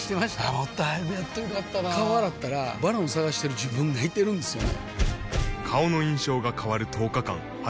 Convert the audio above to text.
もっと早くやっといたら良かったなぁ顔洗ったら「ＶＡＲＯＮ」探してる自分がいてるんですよね